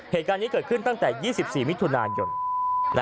เหตุการณ์นี้เกิดขึ้นตั้งแต่๒๔มิถุนายน